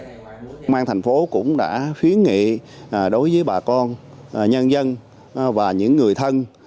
công an thành phố cũng đã khuyến nghị đối với bà con nhân dân và những người thân